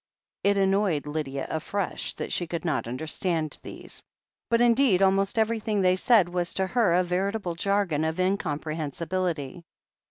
It annoyed Lydia afresh that she could not under stand these, but indeed almost everything they said was to her a veritable jargon of incomprehensibility.